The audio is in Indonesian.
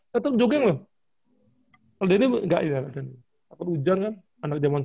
kalau dedy gak ada latihan